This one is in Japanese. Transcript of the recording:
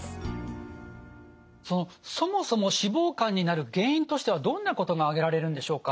そもそも脂肪肝になる原因としてはどんなことが挙げられるんでしょうか？